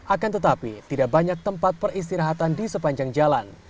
akan tetapi tidak banyak tempat peristirahatan di sepanjang jalan